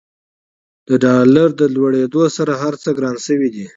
د ډالر له لوړېدولو سره هرڅه ګران شوي دي.